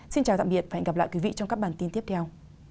xin chào tạm biệt và hẹn gặp lại quý vị trong các bản tin tiếp theo